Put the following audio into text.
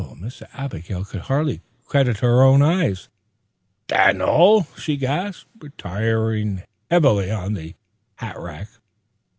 Miss Abigail could hardly credit her own eyes. "Dan'el!" she gasped, retiring heavily on the hat rack.